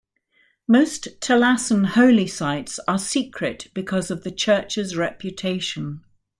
Most Talassan holy sites are secret because of the church's reputation.